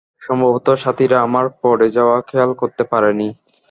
সম্ভবত সাথিরা আমার পড়ে যাওয়া খেয়াল করতে পারেনি।